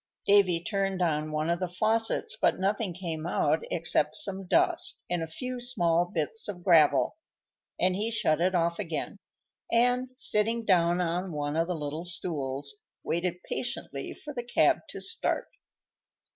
Davy turned on one of the faucets, but nothing came out except some dust and a few small bits of gravel, and he shut it off again, and, sitting down on one of the little stools, waited patiently for the cab to start.